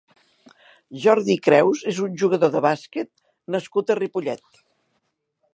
Jordi Creus és un jugador de bàsquet nascut a Ripollet.